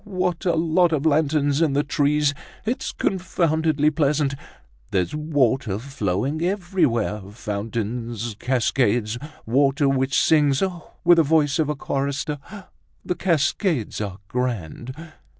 what a lot of lanterns in the trees! It's confoundedly pleasant! There's water flowing everywhere, fountains, cascades, water which sings, oh! with the voice of a chorister. The cascades are grand!"